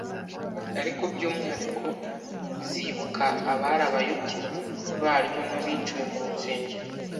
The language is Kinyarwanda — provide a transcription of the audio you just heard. ariko by umwihariko zibuka abari abayoboke baryo n abiciwe mu nsengero